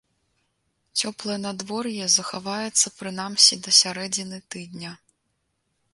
Цёплае надвор'е захаваецца прынамсі да сярэдзіны тыдня.